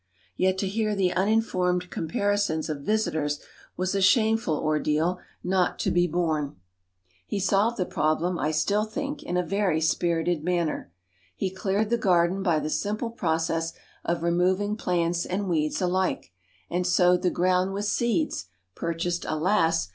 Yet to hear the uninformed comparisons of visitors was a shameful ordeal not to be ON CHILDREN'S GARDENS 169 borne. He solved the problem, I still think, in a very spirited manner. He cleared the garden by the simple process of removing plants and weeds alike, and sowed the ground with seeds, purchased alas